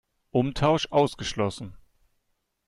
Umtausch ausgeschlossen!